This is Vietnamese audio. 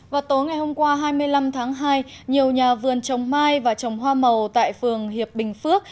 vào tối ngày hôm qua hai mươi năm tháng hai nhiều nhà vườn trồng mai và trồng hoa màu tại phường hiệp bình phước